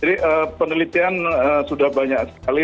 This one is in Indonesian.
jadi penelitian sudah banyak sekali